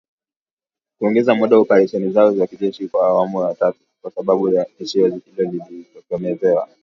Kuongeza muda wa operesheni zao za kijeshi katika awamu ya tatu, kwa sababu tishio hilo halijatokomezwa.